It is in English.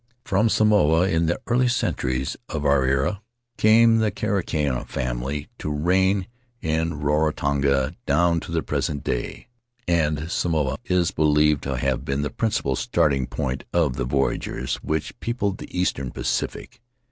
From Samoa — in the early centuries of our era — came the Karika family to reign in Rarotonga down to the present day; and Samoa is believed to have been the principal starting point of the voyagers which peopled the eastern Pacific.